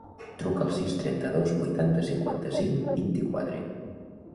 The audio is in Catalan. Truca al sis, trenta-dos, vuitanta, cinquanta-cinc, vint-i-quatre.